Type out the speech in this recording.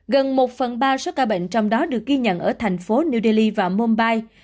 gần một phần ba số ca bệnh trong đó được ghi nhận ở thành phố new delhi và mumbai